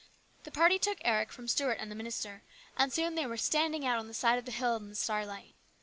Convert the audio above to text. The party took Eric from Stuart and the minister, and soon they were standing out on the side of the hill in the starlight.